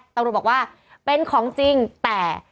ตำรวจบอกว่าเป็นของจริงแต่